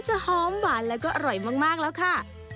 หอมหวานแล้วก็อร่อยมากแล้วค่ะ